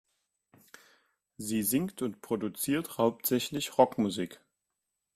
Sie singt und produziert hauptsächlich Rockmusik.